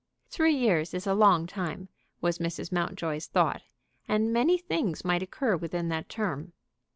Three years is a long time, was Mrs. Mountjoy's thought, and many things might occur within that term.